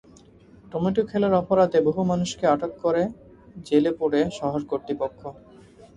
Tomato খেলার অপরাধে বহু মানুষকে আটক করে জেলে পোরে শহর কর্তৃপক্ষ।